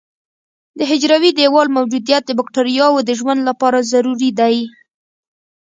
د حجروي دیوال موجودیت د بکټریاوو د ژوند لپاره ضروري دی.